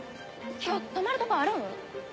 今日泊まるとこあるん？